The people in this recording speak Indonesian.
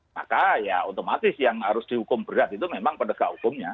maka ya otomatis yang harus dihukum berat itu memang penegak hukumnya